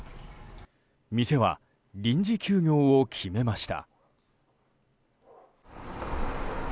店は臨時休業を決めました。